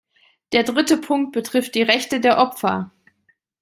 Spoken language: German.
Der dritte Punkt betrifft die Rechte der Opfer.